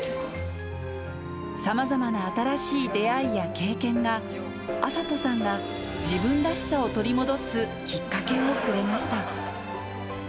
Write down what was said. さまざまな新しい出会いや経験が、暁里さんが自分らしさを取り戻すきっかけをくれました。